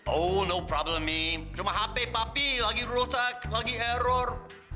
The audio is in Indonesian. oh no problem mi cuma hp papi lagi rusak lagi error